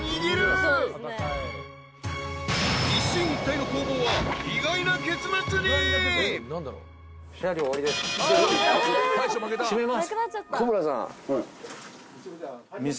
［一進一退の攻防は意外な結末に］閉めます。